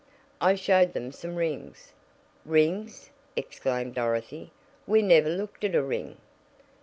"I showed them some rings!" "Rings!" exclaimed Dorothy. "We never looked at a ring!"